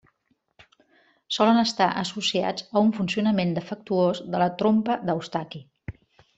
Solen estar associats a un funcionament defectuós de la trompa d'Eustaqui.